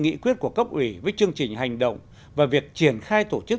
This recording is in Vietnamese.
nghị quyết của cấp ủy với chương trình hành động và việc triển khai tổ chức